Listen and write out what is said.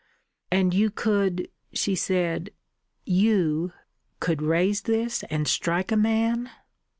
"And you could," she said, "you could raise this and strike a man?"